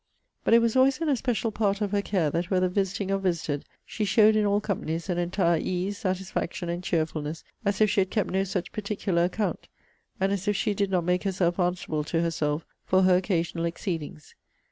But it was always an especial part of her care that, whether visiting or visited, she showed in all companies an entire ease, satisfaction, and cheerfulness, as if she had kept no such particular account, and as if she did not make herself answerable to herself for her occasional exceedings.